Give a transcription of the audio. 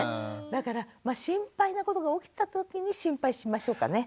だから心配なことが起きた時に心配しましょうかね。